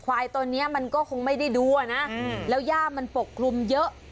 ควายตัวนี้มันก็คงไม่ได้ดูอ่ะนะแล้วย่ามันปกคลุมเยอะ